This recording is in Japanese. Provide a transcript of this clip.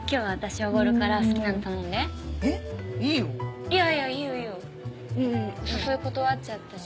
お誘い断っちゃったし。